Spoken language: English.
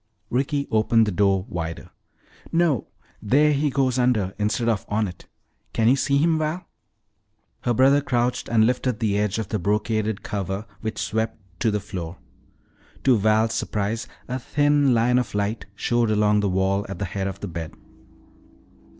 Ricky opened the door wider. "No, there he goes under instead of on it. Can you see him, Val?" Her brother crouched and lifted the edge of the brocaded cover which swept to the floor. To Val's surprise a thin line of light showed along the wall at the head of the bed.